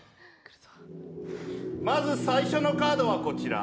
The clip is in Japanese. まず最初のカードはこちら。